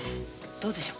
どうでしょう？